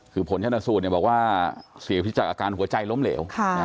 คือผลเท่านัส่วนบอกว่าเสียผิดจากอาการหัวใจล้มเหลว